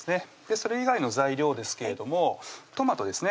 それ以外の材料ですけれどもトマトですね